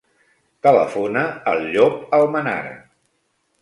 Telefona al Llop Almenara.